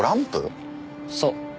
そう。